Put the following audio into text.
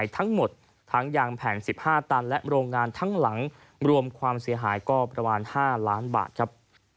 ทั้งหมดทั้งยางแผ่น๑๕ตันและโรงงานทั้งหลังรวมความเสียหายก็ประมาณ๕ล้านบาทครับ